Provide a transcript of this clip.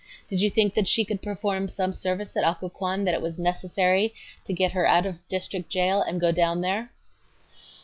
Did you think that she could perform some service at Occoquan that it was necessary to get her out of district jail and go down there?